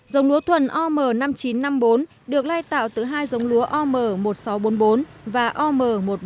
giống lúa thuần om năm nghìn chín trăm năm mươi bốn được lai tạo từ hai giống lúa om một nghìn sáu trăm bốn mươi bốn và om một trăm năm mươi